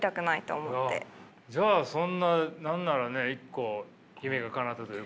じゃあそんな何ならね一個夢がかなったというか。